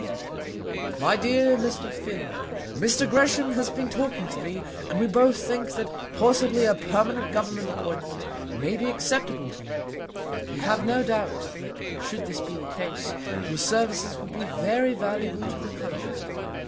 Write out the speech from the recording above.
MY DEAR MR. FINN, Mr. Gresham has been talking to me, and we both think that possibly a permanent Government appointment may be acceptable to you. We have no doubt, that should this be the case, your services would be very valuable to the country.